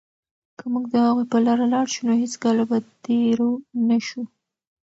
که موږ د هغوی په لاره لاړ شو، نو هېڅکله به تېرو نه شو.